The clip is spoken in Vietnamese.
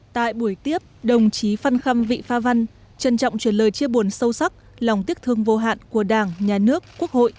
tại buổi tiếp đồng chí phan khâm vị pha văn trân trọng truyền lời chia buồn sâu sắc lòng tiếc thương vô hạn của đảng nhà nước quốc hội